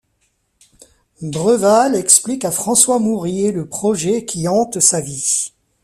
Breval explique à François Mourrier le projet qui hante sa vie.